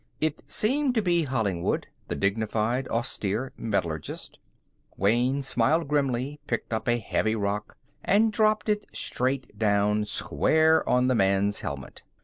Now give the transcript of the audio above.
It seemed to be Hollingwood, the dignified, austere metallurgist. Wayne smiled grimly, picked up a heavy rock, and dropped it straight down, square on the man's helmet.